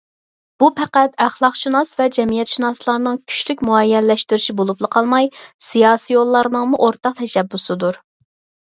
بۇ پەقەت ئەخلاقشۇناس ۋە جەمئىيەتشۇناسلارنىڭ كۈچلۈك مۇئەييەنلەشتۈرۈشى بولۇپلا قالماي سىياسىيونلارنىڭمۇ ئورتاق تەشەببۇسىدۇر.